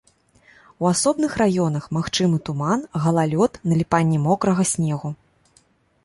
У асобных раёнах магчымы туман, галалёд, наліпанне мокрага снегу.